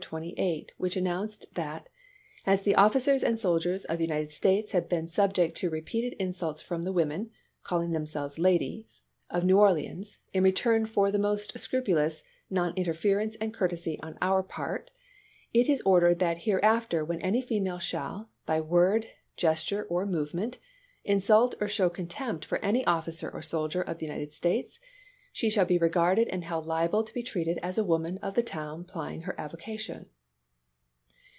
28," which announced that "As the officers and soldiers of the United States have been subject to repeated insults from the women (calling them selves ladies) of New Orleans in return for the most scrupulous non interference and courtesy on our part, it is ordered that hereafter when any female shall, by word, gesture, or movement, insult or show contempt for any officer or soldier of the United States, she shall be regarded and held liable to be treated as a woman of the town plying her avocation."